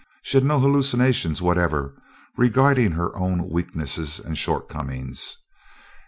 She had no hallucinations whatever regarding her own weaknesses and shortcomings.